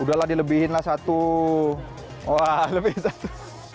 sudahlah dilebihkanlah satu wah lebih satu